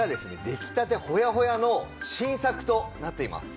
出来たてほやほやの新作となっています。